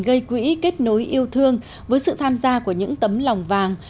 gây quỹ kết nối yêu thương với sự tham gia của những tấm lòng vàng